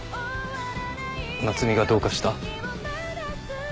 夏海がどうかした？